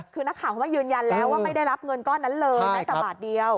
คือนักข่าวเขามายืนยันแล้วว่าไม่ได้รับเงินก้อนนั้นเลยแม้แต่บาทเดียว